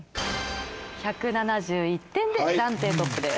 １７１点で暫定トップです。